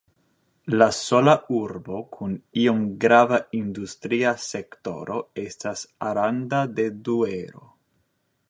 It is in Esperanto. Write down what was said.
La sola urbo kun iom grava industria sektoro estas Aranda de Duero.